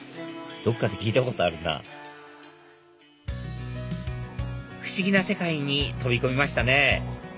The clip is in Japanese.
どっかで聞いたことあるなぁ不思議な世界に飛び込みましたね